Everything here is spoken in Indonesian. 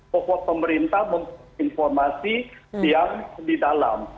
bahwa pemerintah mempunyai informasi yang di dalam